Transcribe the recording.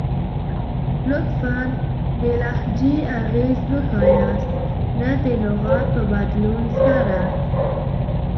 لطفاً ، د لهجې اغیز وښایست نه د لغات په بدلون سره!